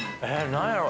何やろ？